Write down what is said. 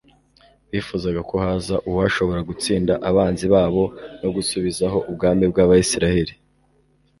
bifuzaga ko haza uwashobora gutsinda abanzi babo no gusubizaho ubwami bw'Abisiraeli.